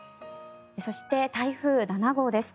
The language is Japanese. そして、台風７号です。